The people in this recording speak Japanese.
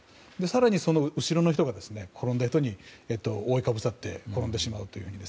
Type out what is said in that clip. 更に、その後ろの人が転んだ人に覆いかぶさって転んでしまうというふうに。